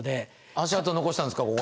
足跡残したんですかここ。